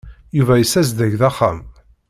Yuba yessazdeg-d axxam.